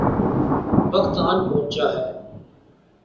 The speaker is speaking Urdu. وقت آن پہنچا ہے۔